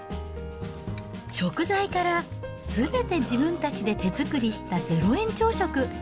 食材からすべて自分たちで手作りした０円朝食。